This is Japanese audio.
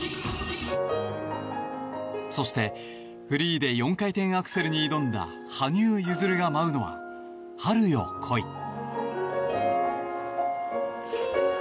そしてフリーで４回転アクセルに挑んだ羽生結弦が舞うのは「春よ、来い」。